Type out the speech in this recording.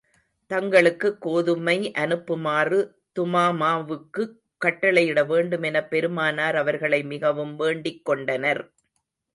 தங்களுக்குக் கோதுமை அனுப்புமாறு துமாமாவுக்குக் கட்டளையிட வேண்டும் என பெருமானார் அவர்களை மிகவும் வேண்டிக் கொண்டனர்.